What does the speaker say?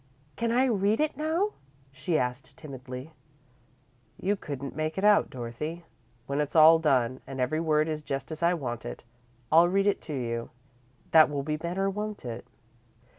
"Can I read it now?" she asked, timidly. "You couldn't make it out, Dorothy. When it's all done, and every word is just as I want it, I'll read it to you. That will be better, won't it?"